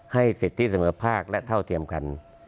สิทธิเสมอภาคและเท่าเทียมกัน